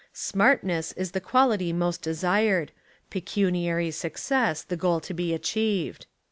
Smartness Is the quality most de sired, pecuniary success the goal to be achieved.